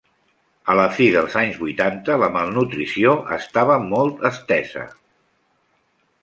A la fi dels anys vuitanta la malnutrició estava molt estesa.